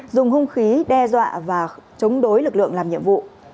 dùng hung khí đe dọa và chống đối lực lượng làm nhiệm vụ